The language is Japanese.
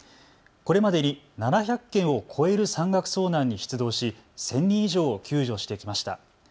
これまでに７００件を超える山岳遭難に出動し１０００人以上を救助してきました。